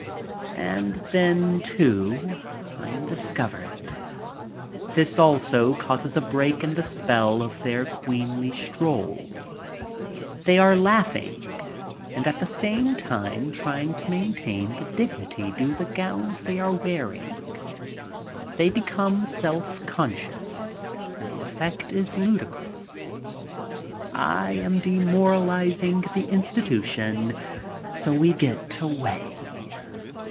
And then, too, I am discovered This also causes a break OFF TO FRANCE 109 in the spell of their queenly stroll. They are laughing and at the same time trying to maintain the dignity due the gowns they are wearing. They become self conscious and the effect is ludicrous. I am demoralizing the institution, so we get away.